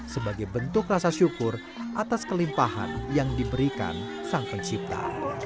sebagai bentuk rasa syukur atas kelimpahan yang diberikan sang pencipta